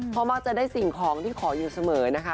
เพราะมักจะได้สิ่งของที่ขออยู่เสมอนะคะ